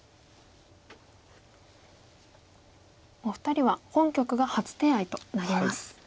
お二人は本局が初手合となります。